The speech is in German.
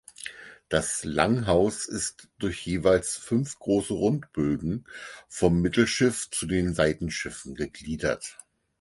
Das Langhaus ist durch jeweils fünf großen Rundbögen vom Mittelschiff zu den Seitenschiffen gegliedert.